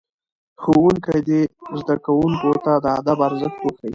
ښوونکي دي زدهکوونکو ته د ادب ارزښت وښيي.